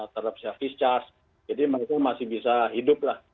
terhadap servis charge jadi mereka masih bisa hidup lah